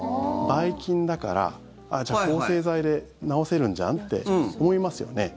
ばい菌だからあっ、じゃあ抗生剤で治せるんじゃん？って思いますよね。